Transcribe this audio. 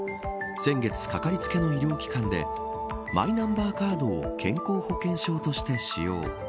先月、かかりつけの医療機関でマイナンバーカードを健康保険証として使用。